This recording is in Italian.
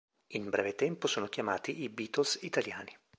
In breve tempo sono chiamati i Beatles italiani.